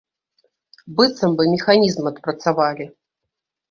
Быццам бы механізм адпрацавалі.